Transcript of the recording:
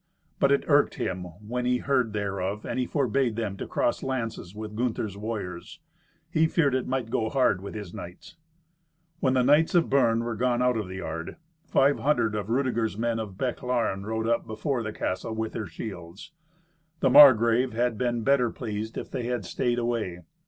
But it irked him when he heard thereof, and forbade them to cross lances with Gunther's warriors. He feared it might go hard with his knights. When the knights of Bern were gone out of the yard, five hundred of Rudeger's men of Bechlaren rode up before the castle, with their shields. The Margrave had been better pleased if they had stayed away.